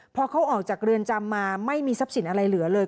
พอเขาออกจากเรือนจำมาไม่มีทรัพย์สินอะไรเหลือเลย